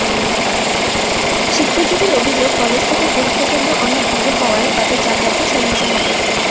শিক্ষার্থীদের অভিযোগ, কলেজ থেকে পরীক্ষাকেন্দ্র অনেক দূর হওয়ায় তাদের যাতায়াতে সমস্যা হবে।